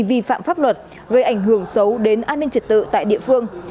vi phạm pháp luật gây ảnh hưởng xấu đến an ninh trật tự tại địa phương